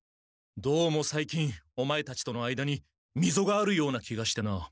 どうも最近お前たちとの間にみぞがあるような気がしてな。